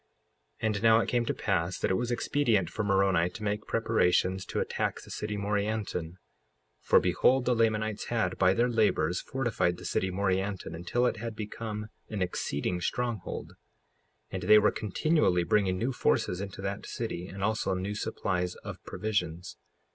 55:33 And now it came to pass that it was expedient for Moroni to make preparations to attack the city Morianton; for behold, the Lamanites had, by their labors, fortified the city Morianton until it had become an exceeding stronghold. 55:34 And they were continually bringing new forces into that city, and also new supplies of provisions.